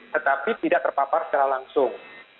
tetapi tidak terpapar secara langsung